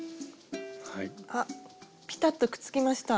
あっぴたっとくっつきました。